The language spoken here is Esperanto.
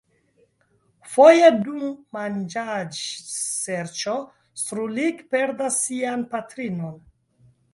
Foje dum manĝaĵserĉo Srulik perdas sian patrinon.